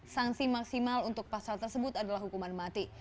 sanksi maksimal untuk pasal tersebut adalah hukuman mati